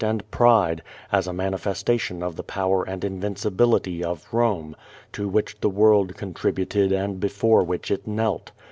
and pride, as a nmnifestation of the power and invincibility of Home, to which the world contributed and before which it knelt.